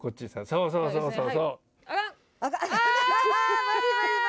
そうそうそうそう。